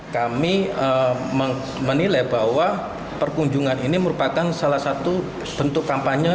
kami menilai bahwa perkunjungan ini merupakan salah satu bentuk kampanye